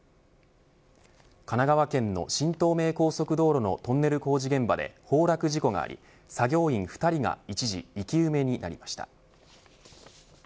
神奈川県の新東名高速道路のトンネル工事現場で崩落事故があり作業員２人が一時生き埋めになりました。